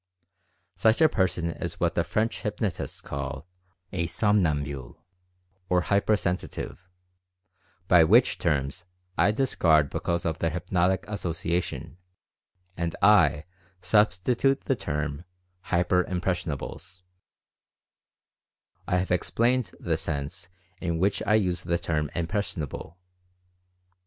Such a person is what the French hypnotists call a "som nambule" or hyper sensitive, but which terms I dis card because of their hypnotic association, and I sub stitute the term "hyper impressionables" I have ex plained the sense in which I use the term ''impression able."